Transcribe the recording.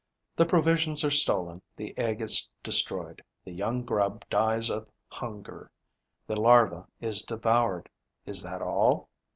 The provisions are stolen, the egg is destroyed. The young grub dies of hunger, the larva is devoured. Is that all?